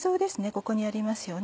ここにありますよね。